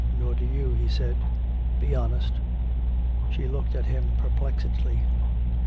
Nor do you," he said. "Be honest." She looked at him perplexedly.